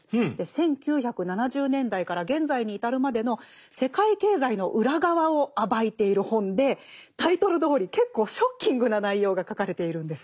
１９７０年代から現在に至るまでの世界経済の裏側を暴いている本でタイトルどおり結構ショッキングな内容が書かれているんですよ。